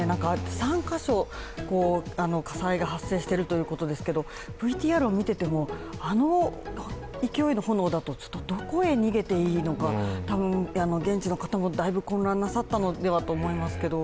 ３か所火災が発生してるということですけどＶＴＲを見ていても、あの勢いの炎だと、どこへ逃げていいのか、多分、現地の方もだいぶ混乱なさったのではと思いますけれども。